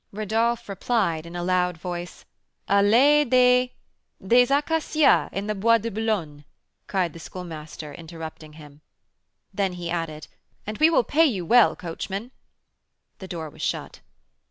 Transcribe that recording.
Rodolph replied, in a loud voice: "Allée des " "Des Acacias, in the Bois de Boulogne," cried the Schoolmaster, interrupting him. Then he added, "And we will pay you well, coachman." The door was shut.